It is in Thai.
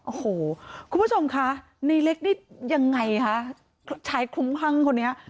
โอ้หูคุณผู้ชมค่ะในเล็กนี่อยังไงใช้คุมพรั่งคนนี้